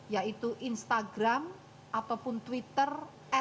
yaitu instagram atau twitter